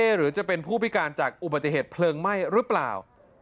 หรือจะเป็นผู้พิการจากอุบัติเหตุเพลิงไหม้หรือเปล่า